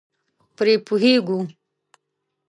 پرې پوهېږو.